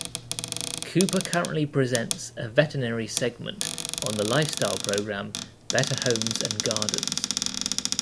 Cooper currently presents a veterinary segment on the lifestyle program "Better Homes and Gardens".